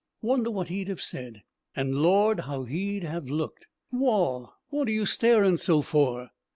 Wonder what he'd have said! and, Lord! how he'd have looked! Wall! what are you starin' so for?"